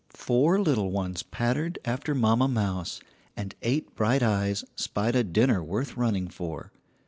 Four little ones pattered after Mamma Mouse, and eight bright eyes spied a dinner worth running for.